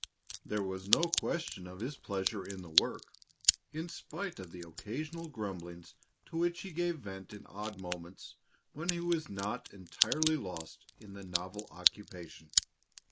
There was no question of his pleasure in the work, in spite of the occasional grumblings to which he gave vent in odd moments when he was not entirely lost in the novel occupation.